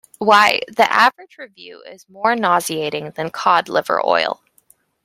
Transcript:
Why, the average review is more nauseating than cod liver oil.